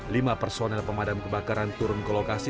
lima personel pemadam kebakaran turun ke lokasi